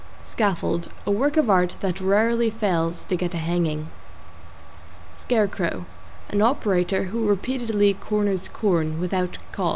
=SCAFFOLD= A work of art that rarely fails to get a hanging. =SCARECROW= An operator who repeatedly corners corn, without caws.